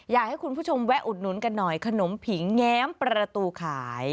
อยากให้คุณผู้ชมแวะอุดหนุนกันหน่อยขนมผิงแง้มประตูขาย